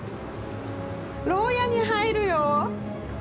ろう屋に入るよ！